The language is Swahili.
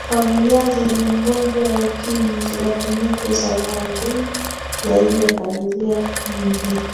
familia zenye mgonjwa wa ukimwi zinatumia pesa mara mbili zaidi ya familia nyingine